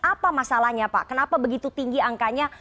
apa masalahnya pak kenapa begitu tinggi angkanya